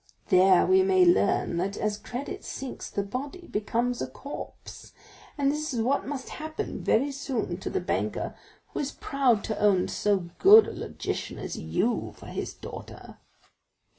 There we may learn that as credit sinks, the body becomes a corpse, and this is what must happen very soon to the banker who is proud to own so good a logician as you for his daughter."